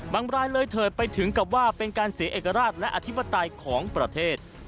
รายเลยเถิดไปถึงกับว่าเป็นการเสียเอกราชและอธิปไตยของประเทศ